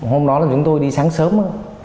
hôm đó là chúng tôi đi sáng sớm